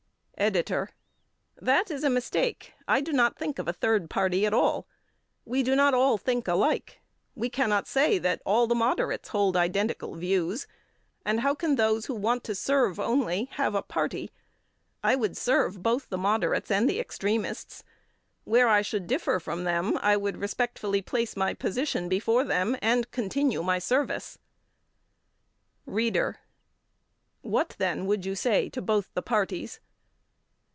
EDITOR: That is a mistake. I do not think of a third party at all. We do not all think alike. We cannot say that all the moderates hold identical views. And how can those who want to serve only have a party? I would serve both the moderates and the extremists. Where I should differ from them, I would respectfully place my position before them, and continue my service. READER: What, then, would you say to both the parties?